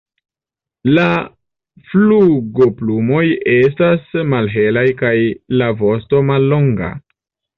La flugoplumoj estas malhelaj kaj la vosto mallonga.